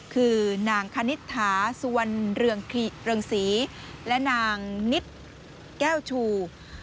คือนางคณิตถาสุวรรณเรืองศรีและนางนิดแก้วชู